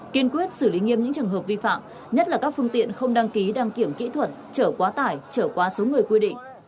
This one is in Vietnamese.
kiên quyết xử lý nghiêm những trường hợp vi phạm nhất là các phương tiện không đăng ký đăng kiểm kỹ thuật chở quá tải trở quá số người quy định